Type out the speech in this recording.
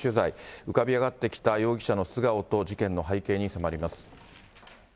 浮かび上がってきた容疑者の素顔と事件の背景に迫ります。